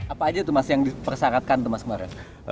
apa aja itu mas yang dipersyaratkan teman teman